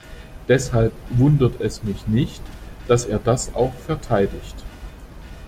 Deshalb wundert es mich nicht, dass er das auch verteidigt.